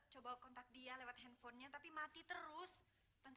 jalan kung jalan se di sini ada pesta besar besaran